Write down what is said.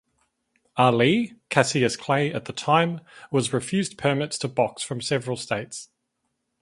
Ali (Cassius Clay at the time) was refused permits to box from several states.